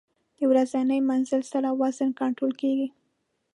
د ورځني مزل سره وزن کنټرول کېږي.